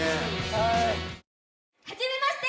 「はい」はじめまして！